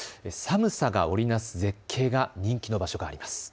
寒さが織り成す絶景が人気の場所があります。